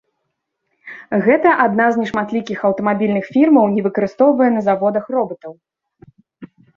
Гэта адна з нешматлікіх аўтамабільных фірмаў, не выкарыстоўвае на заводах робатаў.